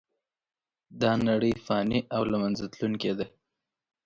دا نړۍ فانې او له منځه تلونکې ده .